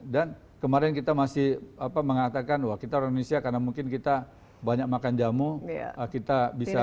dan kemarin kita masih mengatakan wah kita orang indonesia karena mungkin kita banyak makan jamu kita bisa